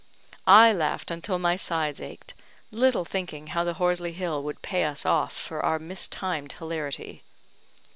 I laughed until my sides ached; little thinking how the Horsley Hill would pay us off for our mistimed hilarity.